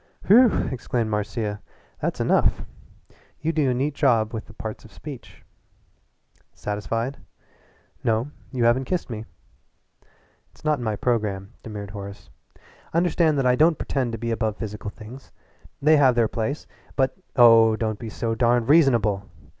"Whew!" exclaimed Marcia. "That's enough! You do a neat job with the parts of speech." "Satisfied?" "No, you haven't kissed me." "It's not in my programme," demurred Horace. "Understand that I don't pretend to be above physical things. They have their place, but " "Oh, don't be so darned reasonable!"